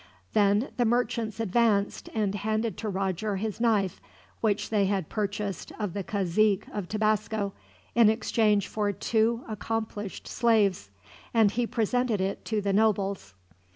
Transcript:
Then the merchants advanced, and handed to Roger his knife, which they had purchased of the cazique of Tabasco in exchange for two accomplished slaves, and he presented it to the nobles.